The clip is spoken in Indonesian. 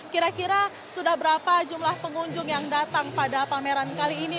kira kira sudah berapa jumlah pengunjung yang datang pada pameran kali ini